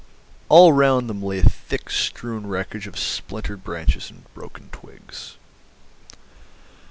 All round them lay a thick strewn wreckage of splintered branches and broken twigs.